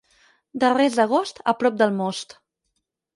Darrers d'agost, a prop del most.